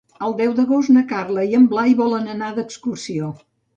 El deu d'agost na Carla i en Blai volen anar d'excursió.